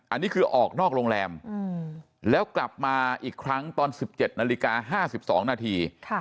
อันนี้คือออกนอกโรงแรมแล้วกลับมาอีกครั้งตอน๑๗นาฬิกา๕๒นาที